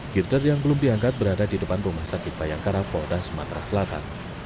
girder yang belum diangkat berada di depan rumah sakit bayangkara polda sumatera selatan